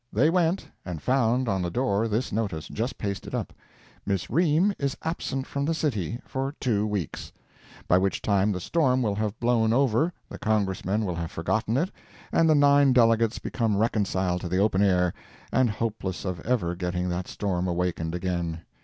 They went—and found on the door this notice, just pasted up: "Miss Ream is absent from the city—for two weeks!" by which time the storm will have blown over, the Congressmen will have forgotten it, and the nine delegates become reconciled to the open air, and hopeless of ever getting that storm awakened again.